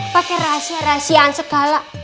pakai rahasia rahasiaan segala